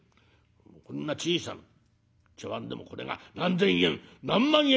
こんな小さな茶わんでもこれが何千円何万円という品物だ」。